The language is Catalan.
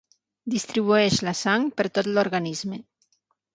Distribueix la sang per tot l'organisme.